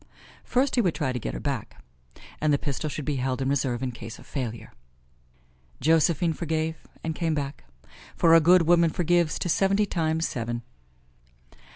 First he would try to get her back, and the pistol should be held in reserve in case of failure. Josephine forgave and came back; for a good woman forgives to seventy times seven.